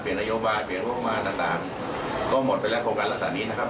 เปลี่ยนนโยบาสเปลี่ยนโรคมาตร์ต่างก็หมดไปแล้วโครงการรักษานี้นะครับ